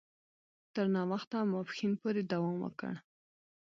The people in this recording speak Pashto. تر ناوخته ماپښین پوري دوام وکړ.